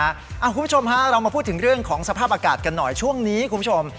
คุณผู้ชมฮะเรามาพูดถึงเรื่องของสภาพอากาศกันหน่อยช่วงนี้คุณผู้ชม